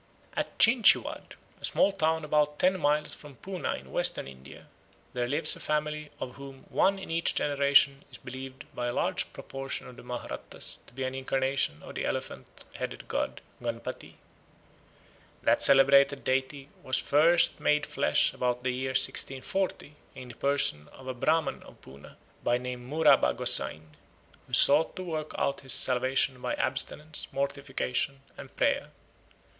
At Chinchvad, a small town about ten miles from Poona in Western India, there lives a family of whom one in each generation is believed by a large proportion of the Mahrattas to be an incarnation of the elephant headed god Gunputty. That celebrated deity was first made flesh about the year 1640 in the person of a Brahman of Poona, by name Mooraba Gosseyn, who sought to work out his salvation by abstinence, mortification, and prayer.